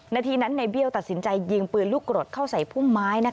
นาทีนั้นในเบี้ยวตัดสินใจยิงปืนลูกกรดเข้าใส่พุ่มไม้